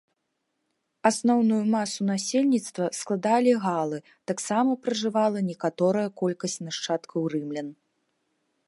Асноўную масу насельніцтва складалі галы, таксама пражывала некаторая колькасць нашчадкаў рымлян.